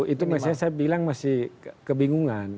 itu saya bilang masih kebingungan